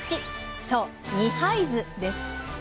そう二杯酢です。